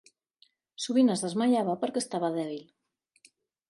Sovint es desmaiava perquè estava dèbil.